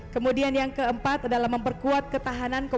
kemudian yang keempat adalah memperkuat pangan strategis melalui subsidi akut